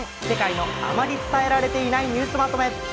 世界のあまり伝えられていないニュースまとめ。